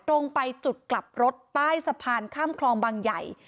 ตรงไปจุดกลับรถใต้สะพานข้ามคลองบางใหญ่